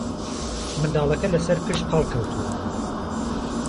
منداڵەکە لەسەرپشت پاڵکەوتووە